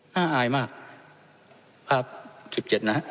น่าอายมากภาพสิบเจ็ดนะครับ